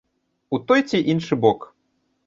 У той ці іншы бок.